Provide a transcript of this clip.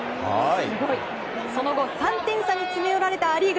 その後３点差に詰め寄られたア・リーグ。